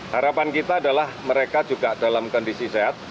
harapan kita adalah mereka juga dalam kondisi sehat